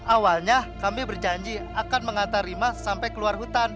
awalnya kami berjanji akan mengantar rima sampai keluar hutan